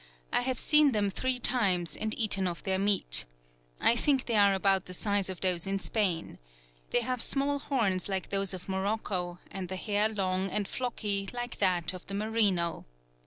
I have seen them three times, and eaten of their meat. I think they are about the size of those in Spain. They have small horns like those of Morocco, and the hair long and flocky, like that of the merino.